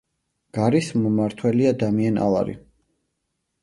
გარის მმართველია დამიენ ალარი.